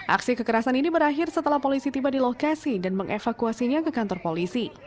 aksi kekerasan ini berakhir setelah polisi tiba di lokasi dan mengevakuasinya ke kantor polisi